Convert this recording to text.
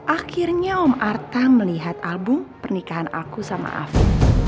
akhirnya om arta melihat album pernikahan aku sama afi